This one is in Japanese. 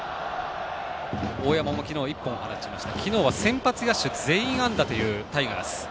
大山も昨日１本放ち先発野手全員安打というタイガース。